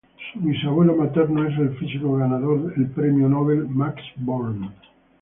Su bisabuelo materno es el físico ganador el Premio Nobel, Max Born.